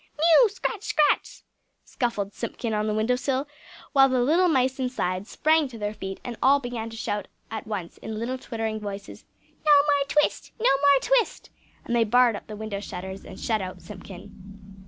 "Mew! scratch! scratch!" scuffled Simpkin on the window sill; while the little mice inside sprang to their feet, and all began to shout at once in little twittering voices: "No more twist! No more twist!" And they barred up the window shutters and shut out Simpkin.